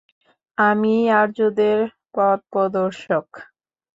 আমিই আর্যদের পথপ্রদর্শক!